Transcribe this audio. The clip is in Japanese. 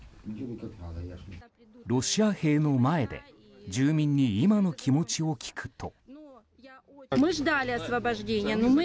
ロシア兵の前で住民に今の気持ちを聞くと。